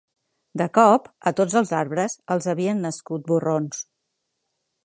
De cop, a tots els arbres, els havien nascut borrons.